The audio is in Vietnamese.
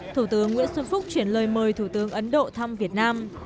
thủ tướng nguyễn xuân phúc chuyển lời mời thủ tướng ấn độ thăm việt nam